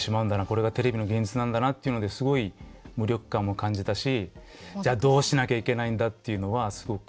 これがテレビの現実なんだなっていうのですごい無力感も感じたしじゃあどうしなきゃいけないんだっていうのはすごく感じましたね。